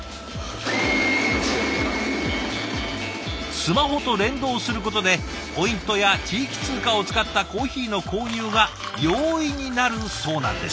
スマホと連動することでポイントや地域通貨を使ったコーヒーの購入が容易になるそうなんです。